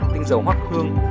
tinh dầu hót hương